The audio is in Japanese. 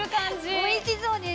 おいしそうです。